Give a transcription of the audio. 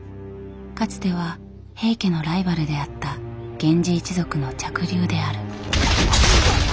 かつては平家のライバルであった源氏一族の嫡流である。